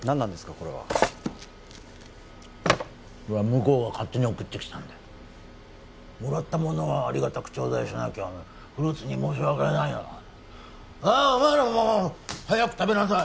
これはそれは向こうが勝手に送ってきたんだもらったものはありがたくちょうだいしなきゃフルーツに申し訳ないお前らも早く食べなさい